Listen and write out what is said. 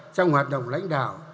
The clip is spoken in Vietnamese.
trong hoạt động lãnh đạo